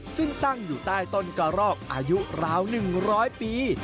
ซึ่งตั้งอยู่ใต้ต้นเกราะอายุร้าวนึงร้อยปี